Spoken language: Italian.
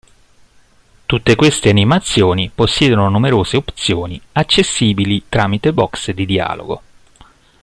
Tutte queste animazioni possiedono numerose opzioni accessibili tramite box di dialogo.